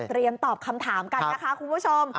ตอบคำถามกันนะคะคุณผู้ชม